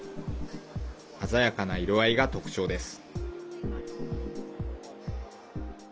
鮮やかな色合いが特徴です。